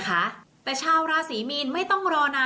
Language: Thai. ส่งผลทำให้ดวงชะตาของชาวราศีมีนดีแบบสุดเลยนะคะ